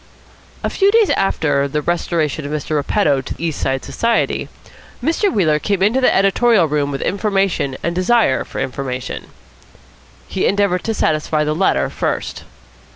A few days after the restoration of Mr. Repetto to East Side Society, Mr. Wheeler came into the editorial room with information and desire for information. He endeavoured to satisfy the latter first.